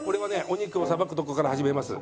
お肉をさばくところから始めます。